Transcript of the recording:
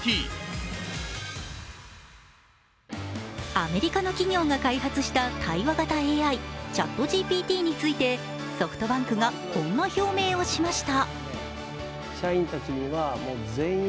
アメリカの企業が開発した会話型ＡＩＣｈａｔＧＰＴについてソフトバンクがこんな表明をしました。